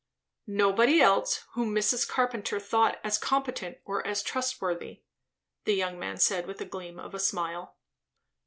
"Nobody else, whom Mrs. Carpenter thought as competent, or as trustworthy," the young man said with the gleam of a smile.